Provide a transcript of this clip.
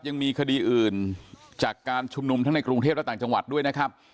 ยังมีคดีอื่นจากการชุมนุมทั้งในกรุงเทพและต่างจังหวัดด้วยนะครับ